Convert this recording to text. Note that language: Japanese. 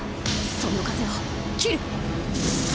その風を斬る！